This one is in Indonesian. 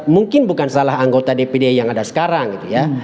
mungkin bukan salah anggota dpd yang ada sekarang gitu ya